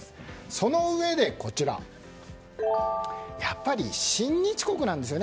そのうえでやっぱり親日国なんですよね。